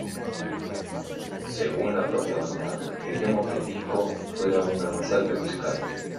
Según la propia banda "queríamos que el disco fuera una masacre musical".